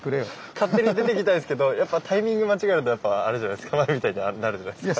勝手に出ていきたいですけどやっぱタイミング間違うとあれじゃないですか前みたいになるじゃないですか。